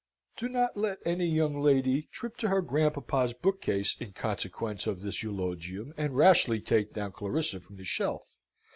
Do not let any young lady trip to her grandpapa's bookcase in consequence of this eulogium, and rashly take down Clarissa from the shelf.